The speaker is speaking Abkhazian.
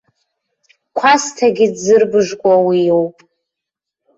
Қәасҭагьы дзырбыжкуа уи иоуп.